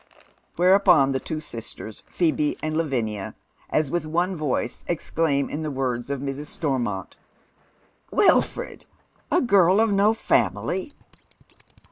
^Vhereupon the two sisters, Phcebe and Lavinia, as with one voice, exclaim in the words of Mrs. Stormont, —" Wilford ! a girl of no family."